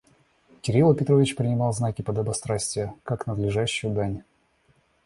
Кирила Петрович принимал знаки подобострастия как надлежащую дань.